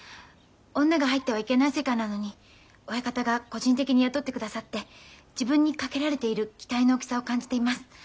女が入ってはいけない世界なのに親方が個人的に雇ってくださって自分にかけられている期待の大きさを感じています。